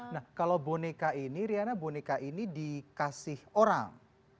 nah kalau boneka ini riana boneka ini dikasih orang